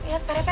liat pak rete